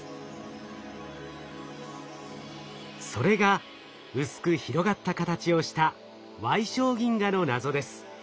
それが薄く広がった形をした矮小銀河の謎です。